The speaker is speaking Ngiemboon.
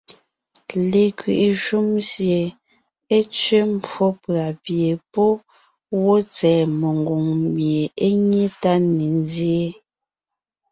Lekwiʼi shúm sie é tsẅé mbwó pʉ̀a pie pɔ́ pú ngwɔ́ tsɛ̀ɛ mengwòŋ mie é nyé tá ne nzyéen.